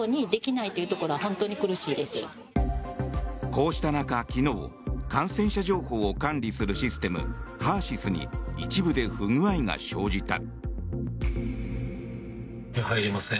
こうした中、昨日感染者情報を管理するシステムＨＥＲ−ＳＹＳに一部で不具合が生じた。